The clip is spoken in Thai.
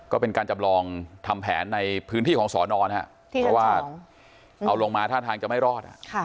ก็เป็นการจำลองทำแผนในพื้นที่ของสอนอนเพราะว่าเอาลงมาท่าทางจะไม่รอด